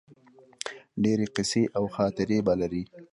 ډیرې قیصې او خاطرې به لرې